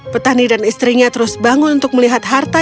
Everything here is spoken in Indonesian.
petani dan istrinya terus bangun untuk melihat harta